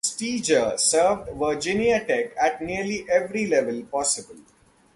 Steger served Virginia Tech at nearly every level possible.